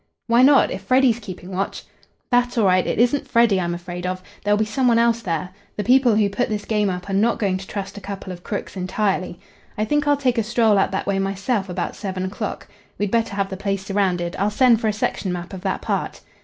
"Why not? If Freddy's keeping watch " "That's all right. It isn't Freddy I'm afraid of. There'll be some one else there. The people who put this game up are not going to trust a couple of crooks entirely. I think I'll take a stroll out that way myself about seven o'clock. We'd better have the place surrounded. I'll send for a section map of that part."